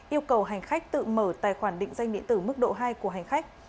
yêu cầu hành khách tự mở tài khoản định danh điện tử mức độ hai của hành khách